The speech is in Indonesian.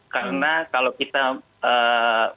karena kalau kita berasumsi ketika kita berpengaruh